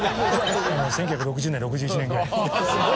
１９６０年６１年ぐらい。